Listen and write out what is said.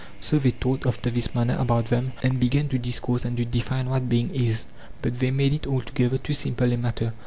So they taught after this manner about them, and began to discourse and to define what being is, but they made it altogether too simple a matter.